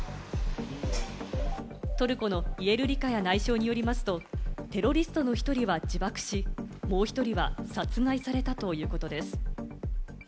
トルコのイェルリカヤ内相によりますと、テロリストの１人は自爆し、もう１人は殺害されたということです。